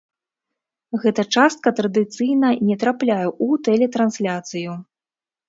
Гэта частка традыцыйна не трапляе ў тэлетрансляцыю.